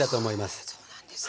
はそうなんですね。